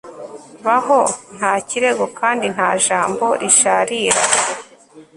baho, nta kirego kandi nta jambo risharira